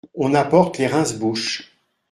On apporte les rince-bouche.